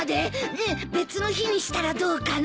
ねえ別の日にしたらどうかな？